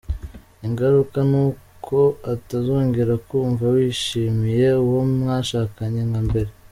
Ingaruka ni uko utazongera kumva wishimiye uwo mwashakanye nka mbere.